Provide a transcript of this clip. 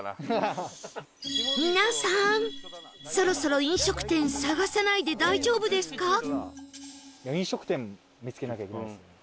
皆さんそろそろ飲食店探さないで大丈夫ですか？